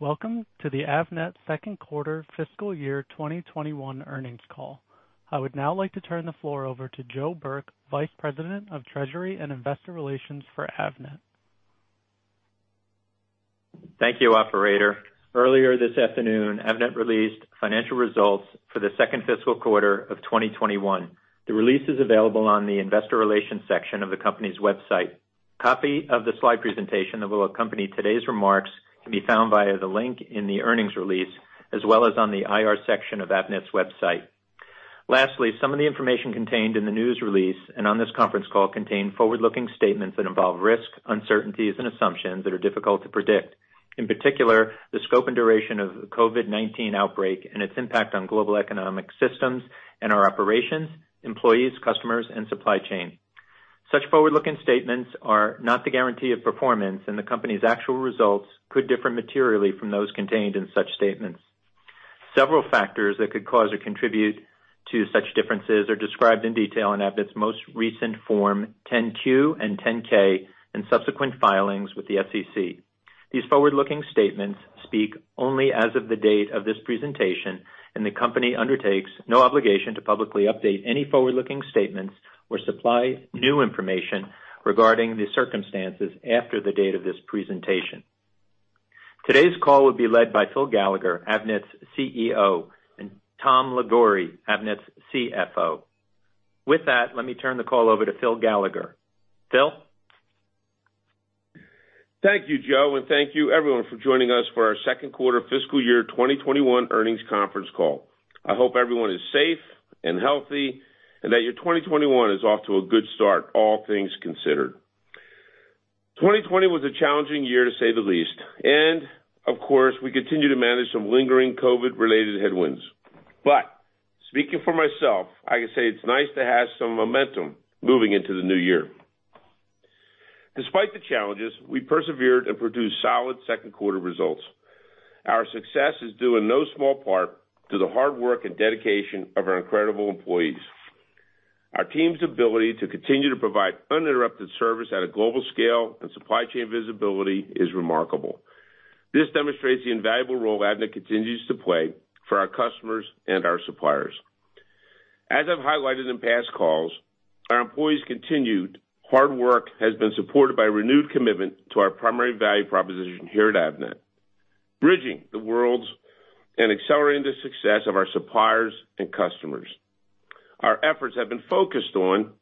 Welcome to the Avnet second quarter fiscal year 2021 earnings call. I would now like to turn the floor over to Joe Burke, Vice President of Treasury and Investor Relations for Avnet. Thank you, operator. Earlier this afternoon, Avnet released financial results for the second fiscal quarter of 2021. The release is available on the investor relations section of the company's website. Copy of the slide presentation that will accompany today's remarks can be found via the link in the earnings release, as well as on the IR section of Avnet's website. Lastly, some of the information contained in the news release and on this conference call contain forward-looking statements that involve risks, uncertainties, and assumptions that are difficult to predict, in particular, the scope and duration of the COVID-19 outbreak and its impact on global economic systems and our operations, employees, customers, and supply chain. Such forward-looking statements are not the guarantee of performance, and the company's actual results could differ materially from those contained in such statements. Several factors that could cause or contribute to such differences are described in detail in Avnet's most recent Form 10-Q and 10-K, subsequent filings with the SEC. These forward-looking statements speak only as of the date of this presentation, the company undertakes no obligation to publicly update any forward-looking statements or supply new information regarding the circumstances after the date of this presentation. Today's call will be led by Phil Gallagher, Avnet's CEO, and Tom Liguori, Avnet's CFO. With that, let me turn the call over to Phil Gallagher. Phil? Thank you, Joe, and thank you everyone for joining us for our second quarter fiscal year 2021 earnings conference call. I hope everyone is safe and healthy, and that your 2021 is off to a good start, all things considered. 2020 was a challenging year, to say the least, and of course, we continue to manage some lingering COVID-related headwinds. Speaking for myself, I can say it's nice to have some momentum moving into the new year. Despite the challenges, we persevered and produced solid second quarter results. Our success is due in no small part to the hard work and dedication of our incredible employees. Our team's ability to continue to provide uninterrupted service at a global scale and supply chain visibility is remarkable. This demonstrates the invaluable role Avnet continues to play for our customers and our suppliers. As I've highlighted in past calls, our employees' continued hard work has been supported by renewed commitment to our primary value proposition here at Avnet, bridging the worlds and accelerating the success of our suppliers and customers. Our efforts have been focused on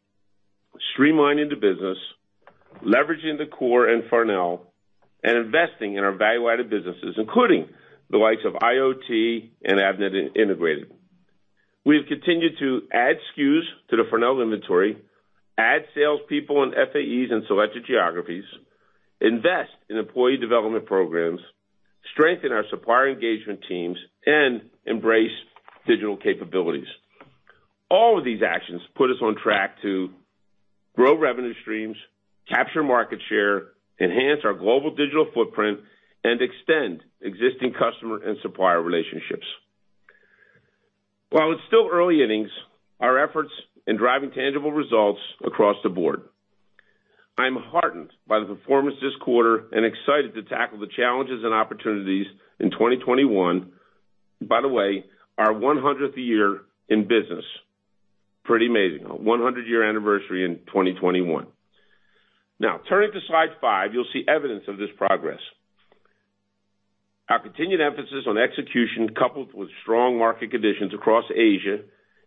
streamlining the business, leveraging the core and Farnell, and investing in our value-added businesses, including the likes of IoT and Avnet Integrated. We have continued to add SKUs to the Farnell inventory, add salespeople and FAEs in selected geographies, invest in employee development programs, strengthen our supplier engagement teams, and embrace digital capabilities. All of these actions put us on track to grow revenue streams, capture market share, enhance our global digital footprint, and extend existing customer and supplier relationships. While it's still early innings, our efforts in driving tangible results across the board. I'm heartened by the performance this quarter and excited to tackle the challenges and opportunities in 2021, by the way, our 100th year in business. Pretty amazing, a 100-year anniversary in 2021. Turning to slide five, you'll see evidence of this progress. Our continued emphasis on execution, coupled with strong market conditions across Asia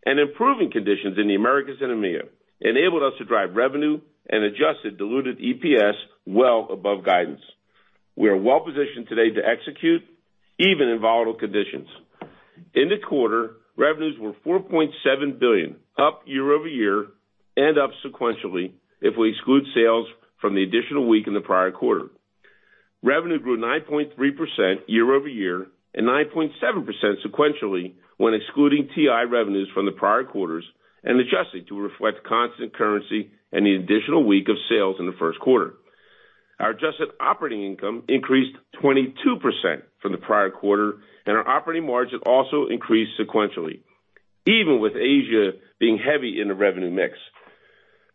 and improving conditions in the Americas and EMEA, enabled us to drive revenue and adjusted diluted EPS well above guidance. We are well-positioned today to execute even in volatile conditions. In the quarter, revenues were $4.7 billion, up year-over-year and up sequentially if we exclude sales from the additional week in the prior quarter. Revenue grew 9.3% year-over-year and 9.7% sequentially when excluding TI revenues from the prior quarters and adjusted to reflect constant currency and the additional week of sales in the first quarter. Our adjusted operating income increased 22% from the prior quarter, and our operating margin also increased sequentially, even with Asia being heavy in the revenue mix.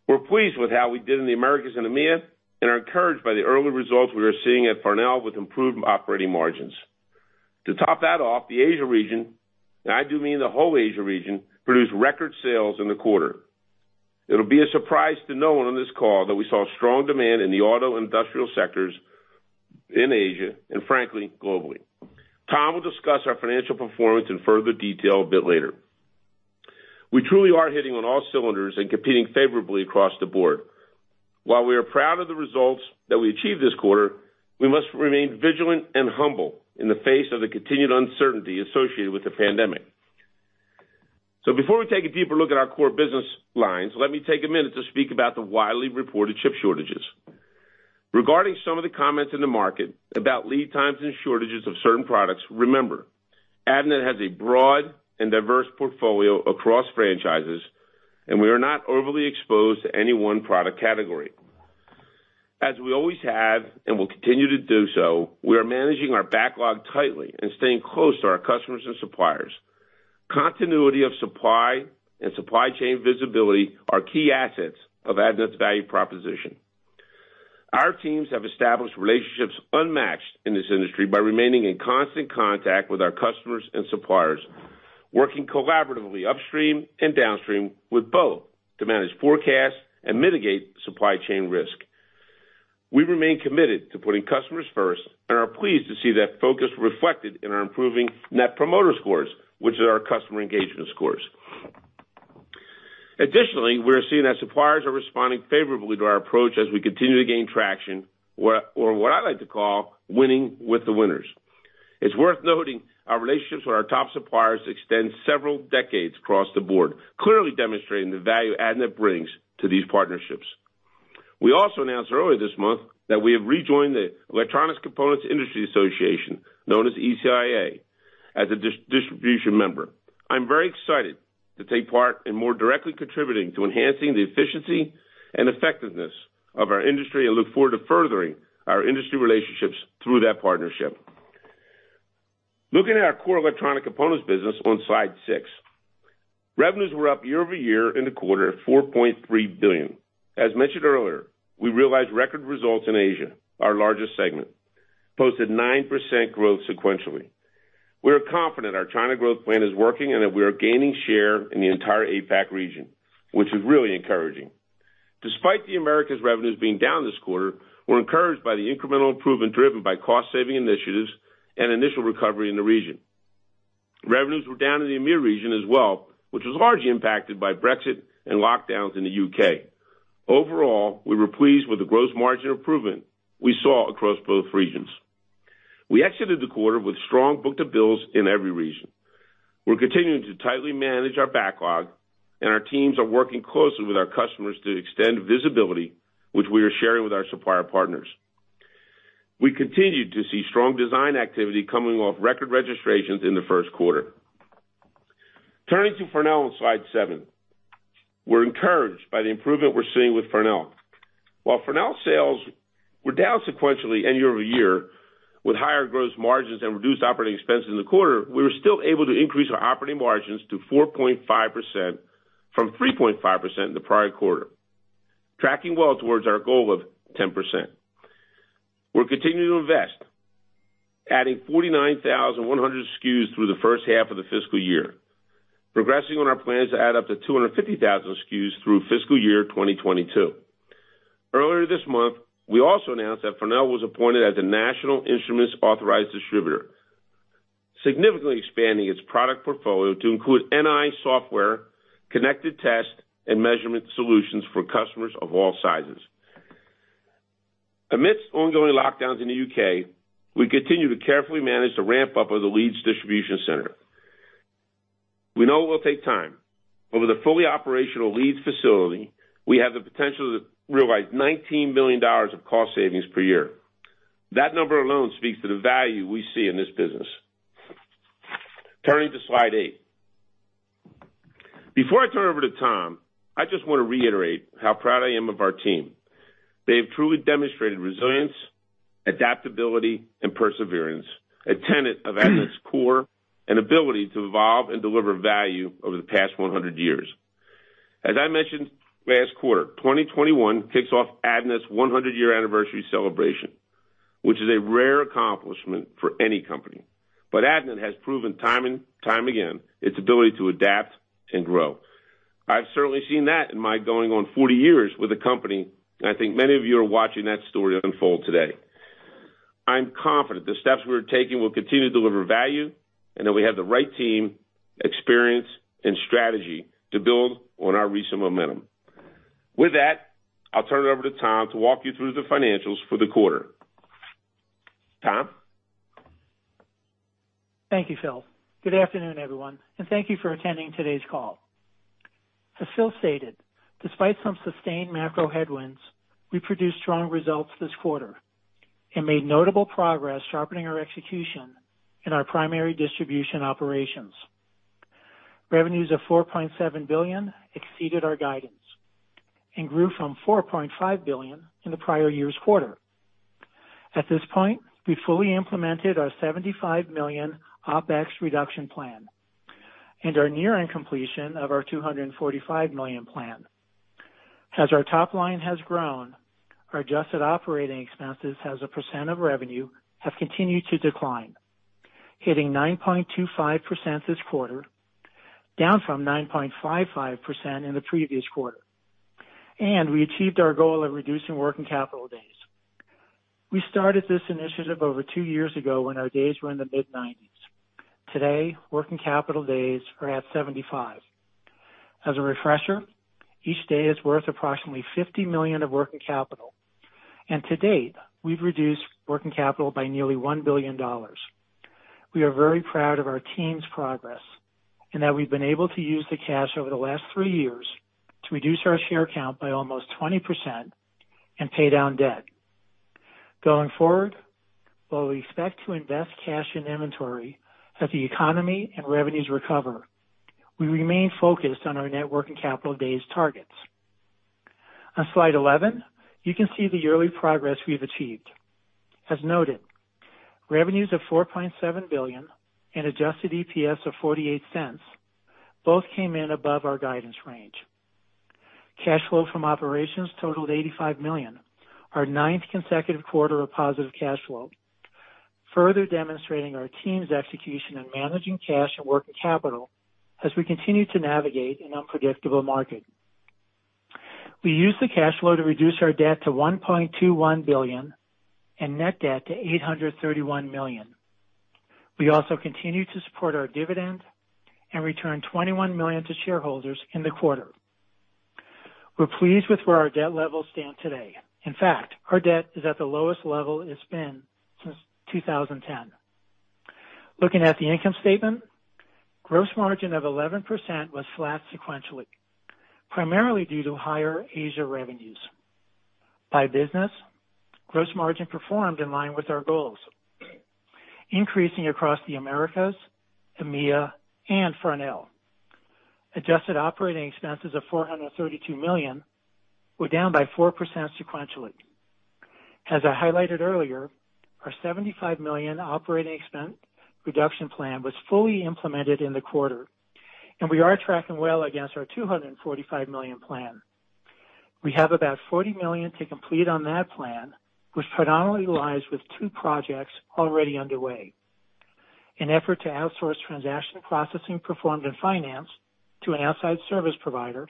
We're pleased with how we did in the Americas and EMEA and are encouraged by the early results we are seeing at Farnell with improved operating margins. To top that off, the Asia region, and I do mean the whole Asia region, produced record sales in the quarter. It'll be a surprise to no one on this call that we saw strong demand in the auto industrial sectors in Asia, and frankly, globally. Tom will discuss our financial performance in further detail a bit later. We truly are hitting on all cylinders and competing favorably across the board. While we are proud of the results that we achieved this quarter, we must remain vigilant and humble in the face of the continued uncertainty associated with the pandemic. Before we take a deeper look at our core business lines, let me take a minute to speak about the widely reported chip shortages. Regarding some of the comments in the market about lead times and shortages of certain products, remember, Avnet has a broad and diverse portfolio across franchises, and we are not overly exposed to any one product category. As we always have and will continue to do so, we are managing our backlog tightly and staying close to our customers and suppliers. Continuity of supply and supply chain visibility are key assets of Avnet's value proposition. Our teams have established relationships unmatched in this industry by remaining in constant contact with our customers and suppliers, working collaboratively upstream and downstream with both to manage forecasts and mitigate supply chain risk. We remain committed to putting customers first and are pleased to see that focus reflected in our improving Net Promoter Score, which are our customer engagement scores. Additionally, we're seeing that suppliers are responding favorably to our approach as we continue to gain traction, or what I like to call winning with the winners. It's worth noting our relationships with our top suppliers extend several decades across the board, clearly demonstrating the value Avnet brings to these partnerships. We also announced earlier this month that we have rejoined the Electronic Components Industry Association, known as ECIA, as a distribution member. I'm very excited to take part in more directly contributing to enhancing the efficiency and effectiveness of our industry and look forward to furthering our industry relationships through that partnership. Looking at our core Electronic Components business on slide six, revenues were up year-over-year in the quarter at $4.3 billion. As mentioned earlier, we realized record results in Asia, our largest segment, posted 9% growth sequentially. We are confident our China growth plan is working, and that we are gaining share in the entire APAC region, which is really encouraging. Despite the Americas revenues being down this quarter, we're encouraged by the incremental improvement driven by cost-saving initiatives and initial recovery in the region. Revenues were down in the EMEA region as well, which was largely impacted by Brexit and lockdowns in the U.K. Overall, we were pleased with the gross margin improvement we saw across both regions. We exited the quarter with strong book-to-bills in every region. We're continuing to tightly manage our backlog, and our teams are working closely with our customers to extend visibility, which we are sharing with our supplier partners. We continued to see strong design activity coming off record registrations in the first quarter. Turning to Farnell on slide seven. We're encouraged by the improvement we're seeing with Farnell. While Farnell sales were down sequentially and year-over-year with higher gross margins and reduced operating expenses in the quarter, we were still able to increase our operating margins to 4.5% from 3.5% in the prior quarter. Tracking well towards our goal of 10%. We're continuing to invest, adding 49,100 SKUs through the first half of the fiscal year, progressing on our plans to add up to 250,000 SKUs through fiscal year 2022. Earlier this month, we also announced that Farnell was appointed as a National Instruments Authorized Distributor, significantly expanding its product portfolio to include NI software, connected test, and measurement solutions for customers of all sizes. Amidst ongoing lockdowns in the U.K., we continue to carefully manage the ramp-up of the Leeds distribution center. We know it will take time, but with a fully operational Leeds facility, we have the potential to realize $19 million of cost savings per year. That number alone speaks to the value we see in this business. Turning to slide eight. Before I turn over to Tom, I just want to reiterate how proud I am of our team. They've truly demonstrated resilience, adaptability, and perseverance, a tenet of Avnet's core, and ability to evolve and deliver value over the past 100 years. As I mentioned last quarter, 2021 kicks off Avnet's 100-year anniversary celebration, which is a rare accomplishment for any company. Avnet has proven time and time again its ability to adapt and grow. I've certainly seen that in my going on 40 years with the company, and I think many of you are watching that story unfold today. I'm confident the steps we're taking will continue to deliver value and that we have the right team, experience, and strategy to build on our recent momentum. With that, I'll turn it over to Tom to walk you through the financials for the quarter. Tom? Thank you, Phil. Good afternoon, everyone, and thank you for attending today's call. As Phil stated, despite some sustained macro headwinds, we produced strong results this quarter and made notable progress sharpening our execution in our primary distribution operations. Revenues of $4.7 billion exceeded our guidance and grew from $4.5 billion in the prior year's quarter. At this point, we fully implemented our $75 million OpEx reduction plan and are nearing completion of our $245 million plan. As our top line has grown, our adjusted operating expenses as a percent of revenue have continued to decline, hitting 9.25% this quarter, down from 9.55% in the previous quarter. We achieved our goal of reducing working capital days. We started this initiative over two years ago when our days were in the mid-90s. Today, working capital days are at 75. As a refresher, each day is worth approximately $50 million of working capital. To date, we've reduced working capital by nearly $1 billion. We are very proud of our team's progress and that we've been able to use the cash over the last three years to reduce our share count by almost 20% and pay down debt. Going forward, while we expect to invest cash in inventory as the economy and revenues recover, we remain focused on our net working capital days targets. On slide 11, you can see the yearly progress we've achieved. As noted, revenues of $4.7 billion and adjusted EPS of $0.48 both came in above our guidance range. Cash flow from operations totaled $85 million, our ninth consecutive quarter of positive cash flow, further demonstrating our team's execution in managing cash and working capital as we continue to navigate an unpredictable market. We used the cash flow to reduce our debt to $1.21 billion and net debt to $831 million. We also continued to support our dividend and returned $21 million to shareholders in the quarter. We're pleased with where our debt levels stand today. In fact, our debt is at the lowest level it's been since 2010. Looking at the income statement, gross margin of 11% was flat sequentially, primarily due to higher Asia revenues. By business, gross margin performed in line with our goals, increasing across the Americas, EMEA, and Farnell. Adjusted operating expenses of $432 million were down by 4% sequentially. As I highlighted earlier, our $75 million operating expense reduction plan was fully implemented in the quarter, and we are tracking well against our $245 million plan. We have about $40 million to complete on that plan, which predominantly lies with two projects already underway. An effort to outsource transaction processing performed in finance to an outside service provider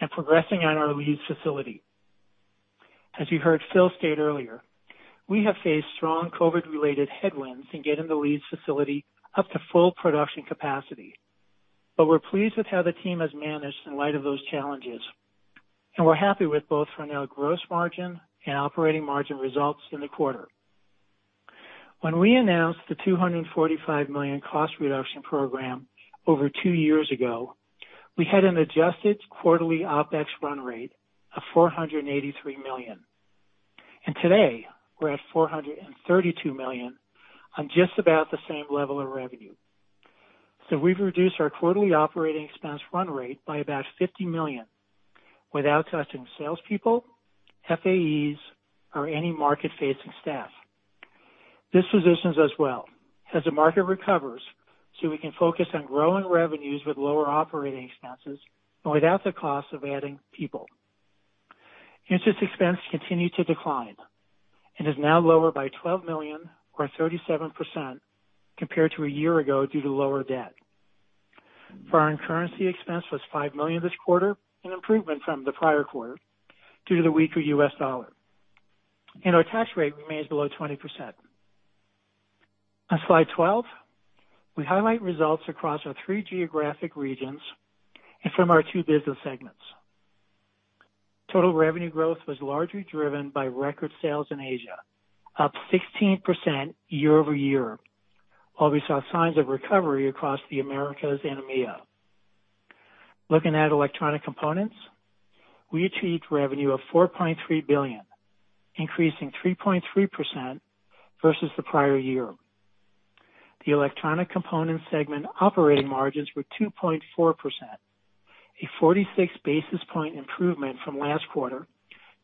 and progressing on our Leeds facility. As you heard Phil state earlier, we have faced strong COVID-related headwinds in getting the Leeds facility up to full production capacity. We're pleased with how the team has managed in light of those challenges, and we're happy with both Farnell gross margin and operating margin results in the quarter. When we announced the $245 million cost reduction program over two years ago, we had an adjusted quarterly OpEx run rate of $483 million. Today, we're at $432 million on just about the same level of revenue. We've reduced our quarterly operating expense run rate by about $50 million without touching salespeople, FAEs, or any market-facing staff. This positions us well as the market recovers so we can focus on growing revenues with lower OpEx and without the cost of adding people. Interest expense continued to decline and is now lower by $12 million or 37% compared to a year ago due to lower debt. Foreign currency expense was $5 million this quarter, an improvement from the prior quarter due to the weaker U.S. dollar. Our tax rate remains below 20%. On slide 12, we highlight results across our three geographic regions and from our two business segments. Total revenue growth was largely driven by record sales in Asia, up 16% year-over-year. While we saw signs of recovery across the Americas and EMEA. Looking at Electronic Components, we achieved revenue of $4.3 billion, increasing 3.3% versus the prior year. The Electronic Components segment operating margins were 2.4%, a 46 basis points improvement from last quarter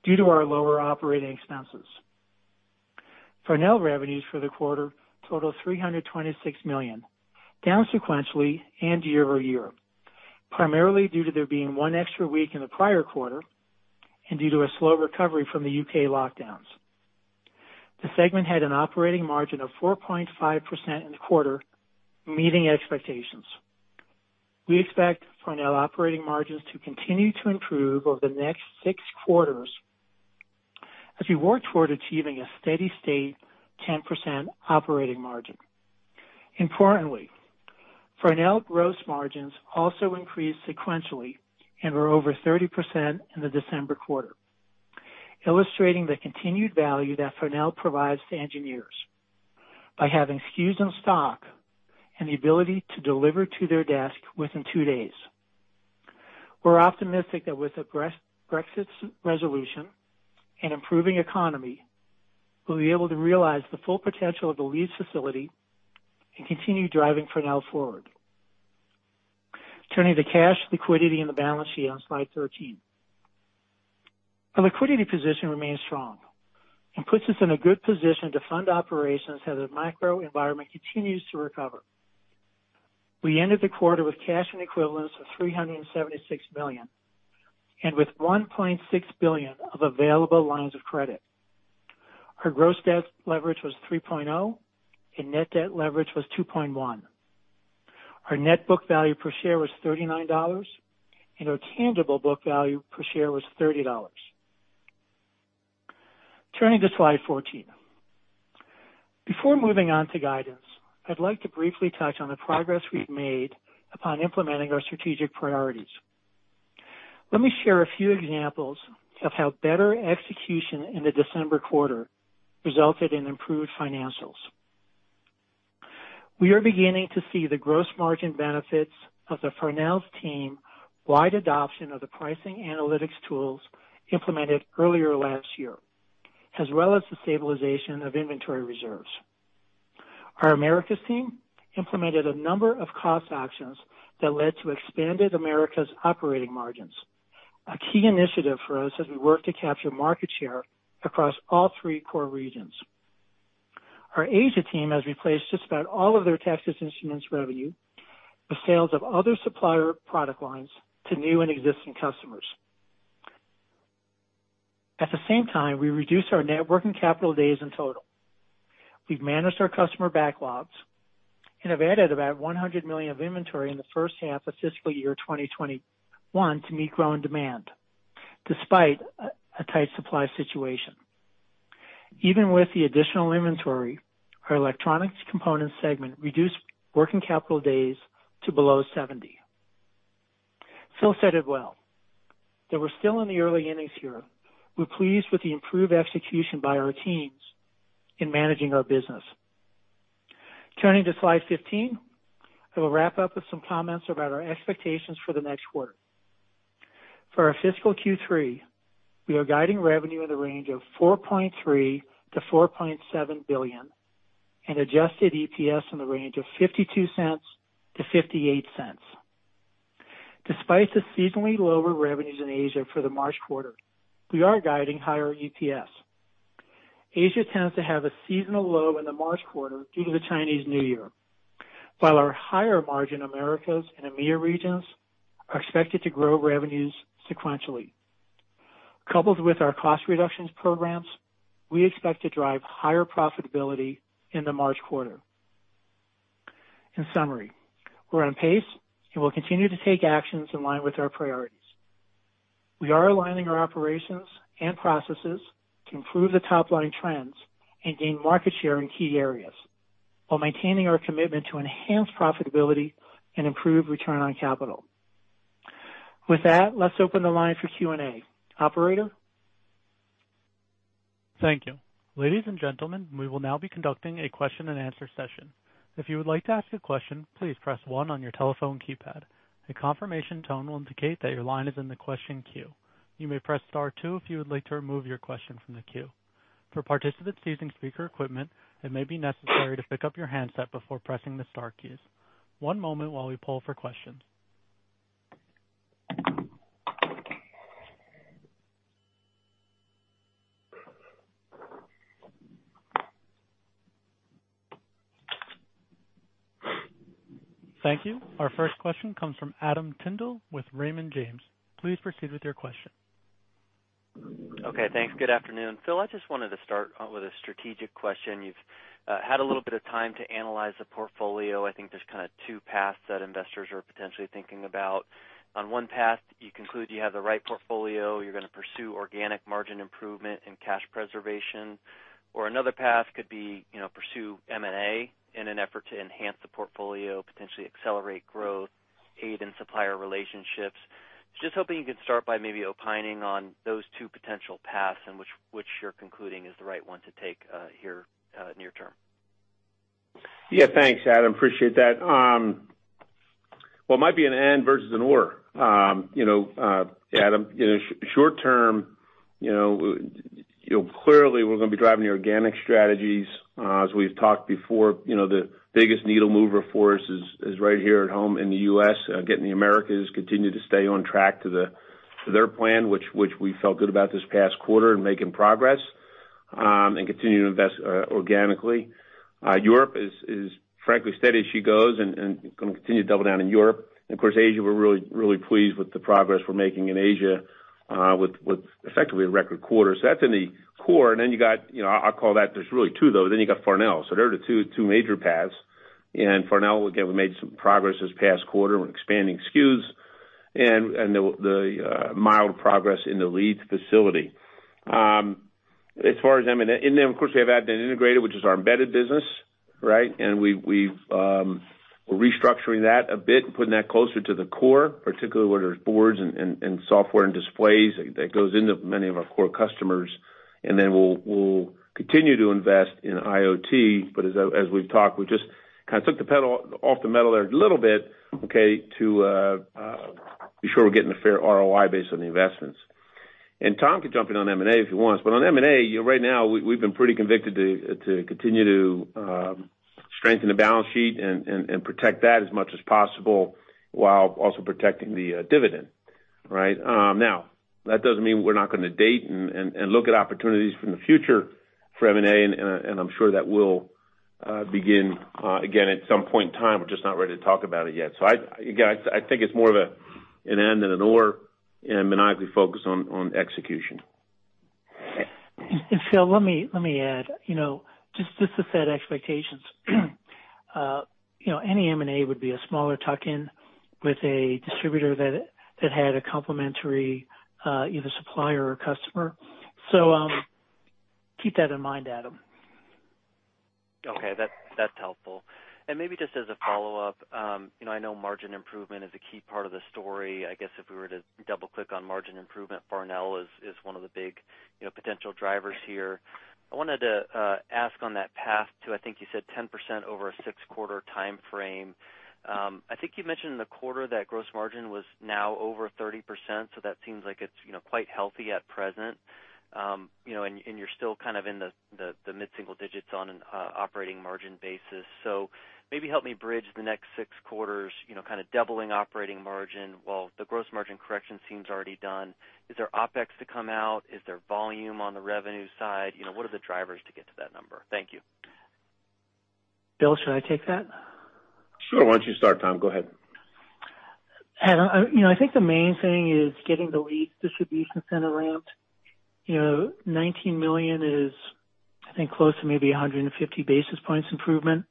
due to our lower operating expenses. Farnell revenues for the quarter total $326 million, down sequentially and year-over-year, primarily due to there being one extra week in the prior quarter and due to a slow recovery from the U.K. lockdowns. The segment had an operating margin of 4.5% in the quarter, meeting expectations. We expect Farnell operating margins to continue to improve over the next six quarters as we work toward achieving a steady state 10% operating margin. Importantly, Farnell gross margins also increased sequentially and were over 30% in the December quarter, illustrating the continued value that Farnell provides to engineers by having SKUs in stock and the ability to deliver to their desk within two days. We're optimistic that with Brexit's resolution and improving economy, we'll be able to realize the full potential of the Leeds facility and continue driving Farnell forward. Turning to cash liquidity and the balance sheet on slide 13. Our liquidity position remains strong and puts us in a good position to fund operations as the macro environment continues to recover. We ended the quarter with cash and equivalents of $376 million and with $1.6 billion of available lines of credit. Our gross debt leverage was 3.0x, and net debt leverage was 2.1x. Our net book value per share was $39, and our tangible book value per share was $30. Turning to slide 14. Before moving on to guidance, I'd like to briefly touch on the progress we've made upon implementing our strategic priorities. Let me share a few examples of how better execution in the December quarter resulted in improved financials. We are beginning to see the gross margin benefits of the Farnell's team-wide adoption of the pricing analytics tools implemented earlier last year, as well as the stabilization of inventory reserves. Our Americas team implemented a number of cost actions that led to expanded Americas operating margins, a key initiative for us as we work to capture market share across all three core regions. Our Asia team has replaced just about all of their Texas Instruments revenue with sales of other supplier product lines to new and existing customers. At the same time, we reduced our net working capital days in total. We've managed our customer backlogs and have added about $100 million of inventory in the first half of fiscal year 2021 to meet growing demand, despite a tight supply situation. Even with the additional inventory, our Electronics Components segment reduced working capital days to below 70. Phil said it well, that we're still in the early innings here. We're pleased with the improved execution by our teams in managing our business. Turning to slide 15, I will wrap up with some comments about our expectations for the next quarter. For our fiscal Q3, we are guiding revenue in the range of $4.3 billion-$4.7 billion and adjusted EPS in the range of $0.52-$0.58. Despite the seasonally lower revenues in Asia for the March quarter, we are guiding higher EPS. Asia tends to have a seasonal low in the March quarter due to the Chinese New Year, while our higher-margin Americas and EMEA regions are expected to grow revenues sequentially. Coupled with our cost reductions programs, we expect to drive higher profitability in the March quarter. In summary, we're on pace, and we'll continue to take actions in line with our priorities. We are aligning our operations and processes to improve the top-line trends and gain market share in key areas, while maintaining our commitment to enhance profitability and improve return on capital. With that, let's open the line for Q&A. Operator? Thank you. Ladies and gentlemen we will now be conducting a question-and-answer session. If you would like to ask a question please press one on your telephone keypad. A confirmation tone will indicate that your question is in the question queue. You may press star two if you would like to remove your question from the queue. For participants using speaker equipment, it may be necessary to pickup your handset before pressing the star keys. One moment while we poll for questions. Thank you. Our first question comes from Adam Tindle with Raymond James. Please proceed with your question. Okay. Thanks. Good afternoon. Phil, I just wanted to start with a strategic question. You've had a little bit of time to analyze the portfolio. I think there's kind of two paths that investors are potentially thinking about. On one path, you conclude you have the right portfolio. You're going to pursue organic margin improvement and cash preservation. Another path could be pursue M&A in an effort to enhance the portfolio, potentially accelerate growth, aid in supplier relationships. Just hoping you could start by maybe opining on those two potential paths and which you're concluding is the right one to take here near term. Yeah. Thanks, Adam. Appreciate that. Well, it might be an and versus an or, Adam. Short term, clearly we're going to be driving the organic strategies. As we've talked before, the biggest needle mover for us is right here at home in the U.S., getting the Americas continue to stay on track to their plan, which we felt good about this past quarter in making progress, and continue to invest organically. Europe is frankly steady as she goes, and going to continue to double down in Europe. Of course, Asia, we're really pleased with the progress we're making in Asia with effectively a record quarter. That's in the core. I'll call that there's really two, though. You got Farnell. There are the two major paths. Farnell, again, we made some progress this past quarter. We're expanding SKUs and the mild progress in the Leeds facility. Then, of course, we have Avnet Integrated, which is our embedded business. We're restructuring that a bit and putting that closer to the core, particularly where there's boards and software and displays that goes into many of our core customers. Then we'll continue to invest in IoT, but as we've talked, we just kind of took the pedal off the metal there a little bit to be sure we're getting a fair ROI based on the investments. Tom can jump in on M&A if he wants. On M&A, right now, we've been pretty convicted to continue to strengthen the balance sheet and protect that as much as possible while also protecting the dividend. Now, that doesn't mean we're not going to date and look at opportunities for the future for M&A, and I'm sure that will begin again at some point in time. We're just not ready to talk about it yet. I think it's more of an and than an or, and I'd be focused on execution. Phil, let me add, just to set expectations. Any M&A would be a smaller tuck-in with a distributor that had a complementary either supplier or customer. Keep that in mind, Adam. Okay. That's helpful. Maybe just as a follow-up, I know margin improvement is a key part of the story. I guess if we were to double-click on margin improvement, Farnell is one of the big potential drivers here. I wanted to ask on that path to, I think you said 10% over a six-quarter timeframe. I think you mentioned in the quarter that gross margin was now over 30%, so that seems like it's quite healthy at present. You're still in the mid single-digits on an operating margin basis. Maybe help me bridge the next six quarters, doubling operating margin while the gross margin correction seems already done. Is there OpEx to come out? Is there volume on the revenue side? What are the drivers to get to that number? Thank you. Phil, should I take that? Sure. Why don't you start, Tom? Go ahead. Adam, I think the main thing is getting the Leeds distribution center ramped. $19 million is, I think, close to maybe 150 basis points improvement.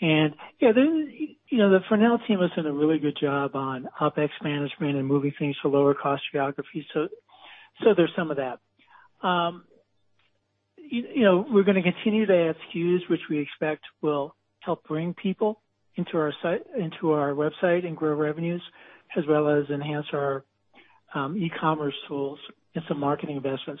The Farnell team has done a really good job on OpEx management and moving things to lower cost geography. There's some of that. We're going to continue to add SKUs, which we expect will help bring people into our website and grow revenues, as well as enhance our e-commerce tools and some marketing investments.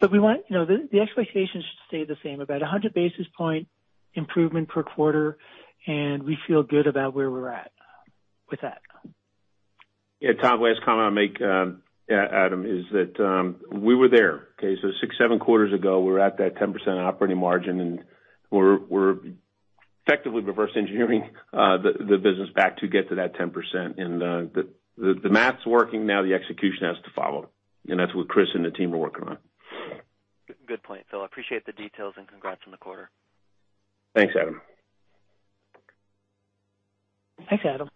The expectations should stay the same, about 100 basis point improvement per quarter, and we feel good about where we're at with that. Tom, last comment I'll make, Adam, is that we were there. Okay? Six, seven quarters ago, we were at that 10% operating margin, and we're effectively reverse engineering the business back to get to that 10%. The math's working now, the execution has to follow, and that's what Chris and the team are working on. Good point, Phil. Appreciate the details and congrats on the quarter. Thanks, Adam. Thanks, Adam.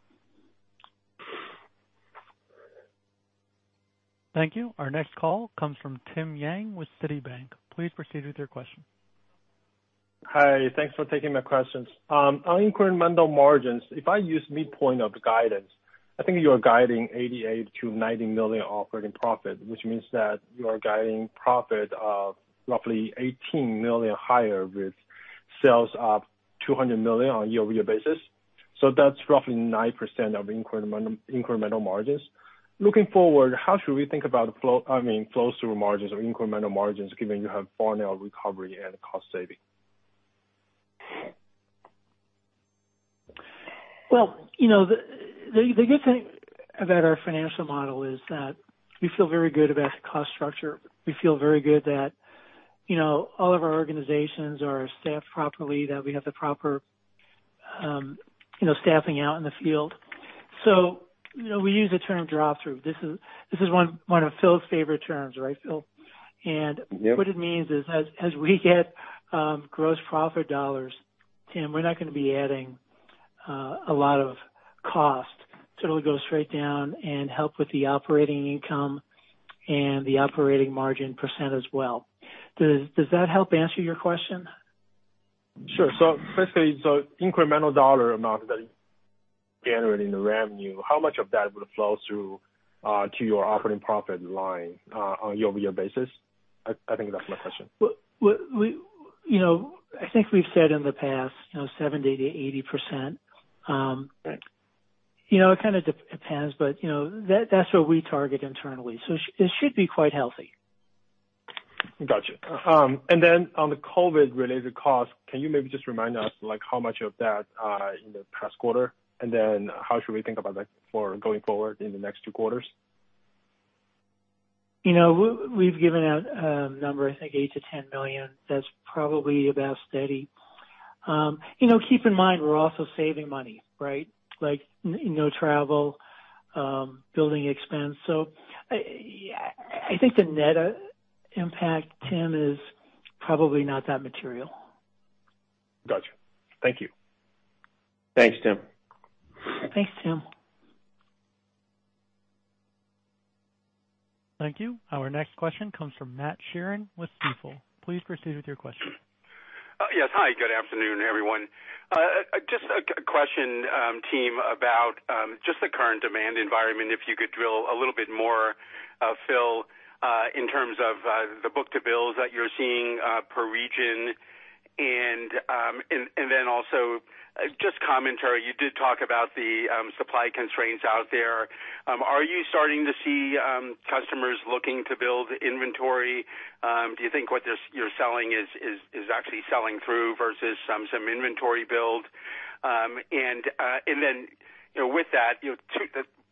Thank you. Our next call comes from Tim Yang with Citibank. Please proceed with your question. Hi. Thanks for taking my questions. On incremental margins, if I use midpoint of the guidance, I think you are guiding $88 million-$90 million operating profit, which means that you are guiding profit of roughly $18 million higher with sales up $200 million on a year-over-year basis. That's roughly 9% of incremental margins. Looking forward, how should we think about flow through margins or incremental margins, given you have Farnell recovery and cost saving? Well, the good thing about our financial model is that we feel very good about the cost structure. We feel very good that all of our organizations are staffed properly, that we have the proper staffing out in the field. We use the term drop through. This is one of Phil's favorite terms, right, Phil? Yep. What it means is as we get gross profit dollars, Tim, we're not going to be adding a lot of cost. It'll go straight down and help with the operating income and the operating margin percent as well. Does that help answer your question? Sure. Basically, so incremental dollar amount that is generating the revenue, how much of that would flow through to your operating profit line on a year-over-year basis? I think that's my question. I think we've said in the past 70%-80%. Yeah. It kind of depends, but that's what we target internally. It should be quite healthy. Got you. On the COVID related cost, can you maybe just remind us, like how much of that in the past quarter, how should we think about that for going forward in the next two quarters? We've given out a number, I think $8 million-$10 million. That's probably about steady. Keep in mind, we're also saving money, right? Like no travel, building expense. I think the net impact, Tim, is probably not that material. Got you. Thank you. Thanks, Tim. Thanks, Tim. Thank you. Our next question comes from Matt Sheerin with Stifel. Please proceed with your question. Yes, hi, good afternoon, everyone. A question, team, about the current demand environment. If you could drill a little bit more, Phil, in terms of the book-to-bills that you're seeing per region, also commentary. You did talk about the supply constraints out there. Are you starting to see customers looking to build inventory? Do you think what you're selling is actually selling through versus some inventory build? With that,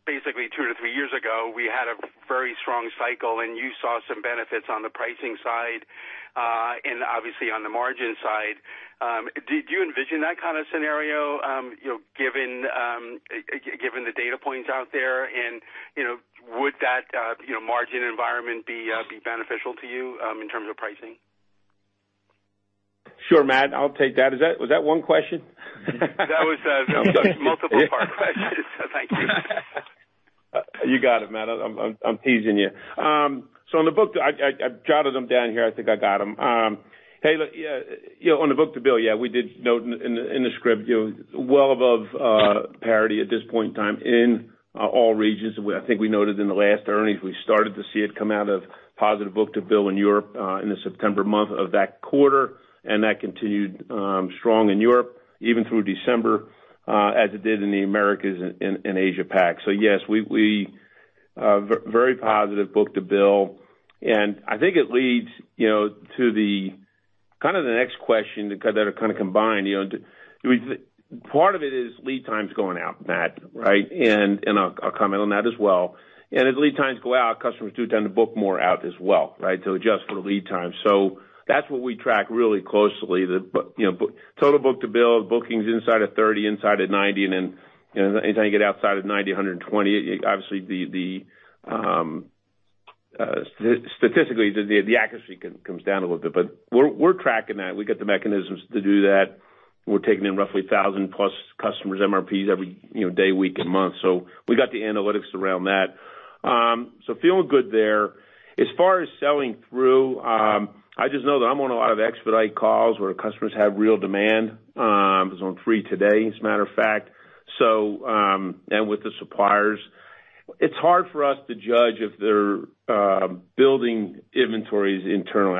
basically two to three years ago, we had a very strong cycle, and you saw some benefits on the pricing side and obviously on the margin side. Did you envision that kind of scenario given the data points out there and would that margin environment be beneficial to you in terms of pricing? Sure, Matt, I'll take that. Was that one question? That was a multiple part question. Thank you. You got it, Matt. I'm teasing you. On the book, I jotted them down here. I think I got them. Hey, look, on the book-to-bill, yeah, we did note in the script, well above parity at this point in time in all regions. I think we noted in the last earnings, we started to see it come out of positive book-to-bill in Europe in the September month of that quarter, and that continued strong in Europe, even through December, as it did in the Americas and Asia Pac. Yes, very positive book-to-bill. I think it leads to the next question that are kind of combined. Part of it is lead times going out, Matt, right? I'll comment on that as well. As lead times go out, customers do tend to book more out as well, right? To adjust for the lead time. That's what we track really closely. Total book-to-bill, bookings inside of 30, inside of 90, and then anything outside of 90, 120, obviously, statistically, the accuracy comes down a little bit. We're tracking that. We've got the mechanisms to do that. We're taking in roughly 1,000+ customers' MRPs every day, week, and month. We got the analytics around that. Feeling good there. As far as selling through, I just know that I'm on a lot of expedite calls where customers have real demand. I was on three today, as a matter of fact, and with the suppliers. It's hard for us to judge if they're building inventories internally.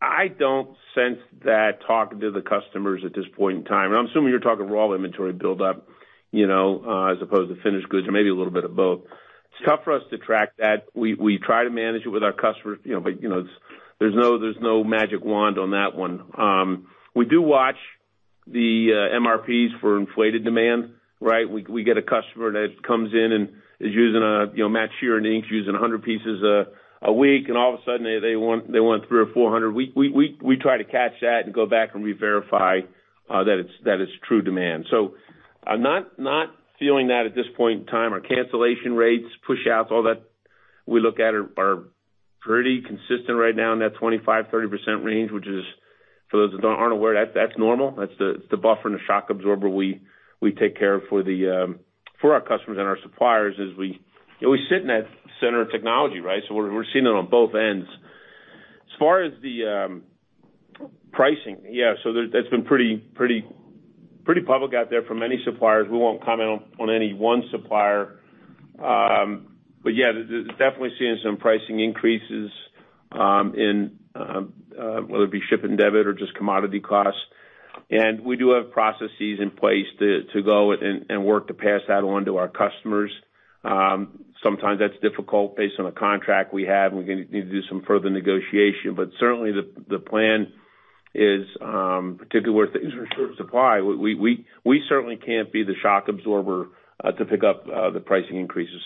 I don't sense that talking to the customers at this point in time. I'm assuming you're talking raw inventory buildup, as opposed to finished goods or maybe a little bit of both. It's tough for us to track that. We try to manage it with our customers, but there's no magic wand on that one. We do watch the MRPs for inflated demand, right? We get a customer that comes in and is using a match here and it's using 100 pieces a week, and all of a sudden they want 300 or 400. We try to catch that and go back and reverify that it's true demand. I'm not feeling that at this point in time. Our cancellation rates, push outs, all that we look at are pretty consistent right now in that 25%-30% range, which is, for those that aren't aware, that's normal. That's the buffer and the shock absorber we take care of for our customers and our suppliers as we sit in that center of technology, right? We're seeing it on both ends. As far as the pricing, yeah. That's been pretty public out there from many suppliers. We won't comment on any one supplier. Yeah, definitely seeing some pricing increases, whether it be ship and debit or just commodity costs. We do have processes in place to go and work to pass that on to our customers. Sometimes that's difficult based on a contract we have, and we need to do some further negotiation. Certainly, the plan is, particularly with the short supply, we certainly can't be the shock absorber to pick up the pricing increases.